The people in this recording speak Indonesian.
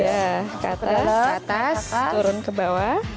ya ke atas ke atas turun ke bawah